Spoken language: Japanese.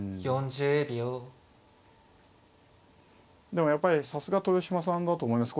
でもやっぱりさすが豊島さんだと思います。